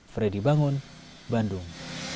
freddy bangun bandung